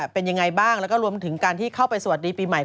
เป็นยังไงบ้างแล้วก็รวมถึงการที่เข้าไปสวัสดีปีใหม่